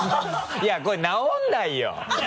いやこれ直らないよ。